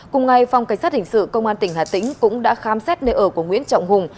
cùng ngày phòng cảnh sát hình sự công an tỉnh hà tĩnh cũng đã khám xét nơi ở của nguyễn trọng hùng